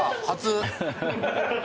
初！」